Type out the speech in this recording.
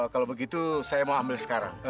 kalau begitu saya mau ambil sekarang